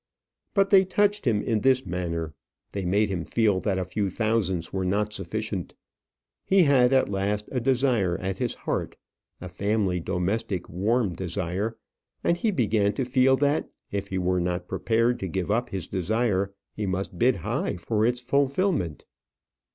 But they touched him in this manner; they made him feel that a few thousands were not sufficient. He had at last a desire at his heart, a family domestic warm desire; and he began to feel that if he were not prepared to give up his desire, he must bid high for its fulfilment.